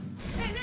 何？